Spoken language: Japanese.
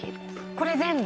これ全部？